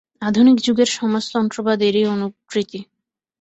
আধুনিক যুগের সমাজতন্ত্রবাদ এরই অনুকৃতি।